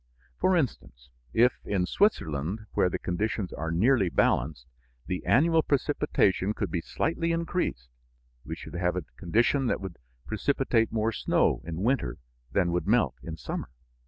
For instance, if in Switzerland, where the conditions are nearly balanced, the annual precipitation could be slightly increased we should have a condition that would precipitate more snow in winter than would melt in summer.